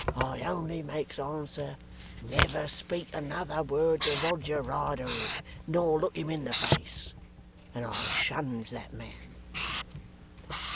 I only makes answer "Never speak another word to Roger Riderhood, nor look him in the face!" and I shuns that man.